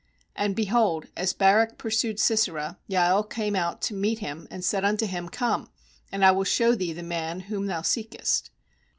22And, behold, as Barak pur sued Sisera, Jael came out to meet him, and said unto him: 'Come, and I will show thee the man whom thou seekest.'